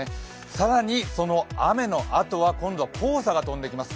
更に、その雨のあとは今度は黄砂が飛んできます。